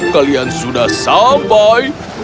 kalian sudah sampai